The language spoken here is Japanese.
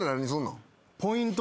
ポイント